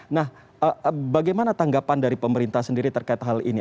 nah bagaimana tanggapan dari pemerintah sendiri terkait hal ini